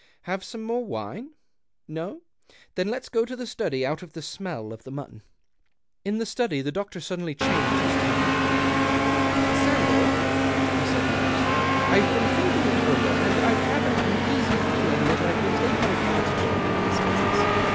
Have some more w^ine ? No ? Then let's go into the study, out of the smell of the mutton." 136 THE OCTAVE OF CLAUDIUS. In the study the doctor suddenly changed his tone. " Sandell," he said nervously, " I've been thinking it over, and I've have an uneasy feeling that I've been taking advantage of you in this business.